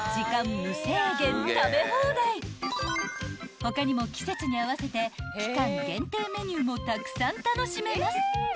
［他にも季節に合わせて期間限定メニューもたくさん楽しめます］